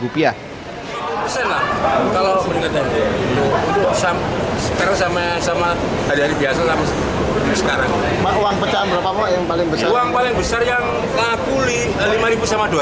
uang paling besar yang takuli rp lima sama rp dua